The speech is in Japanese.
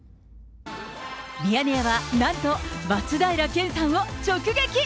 ミヤネ屋は、なんと松平健さんを直撃。